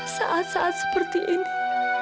saat saat seperti ini